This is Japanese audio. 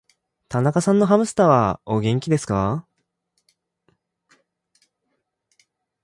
田中さんのハムスターは、お元気ですか。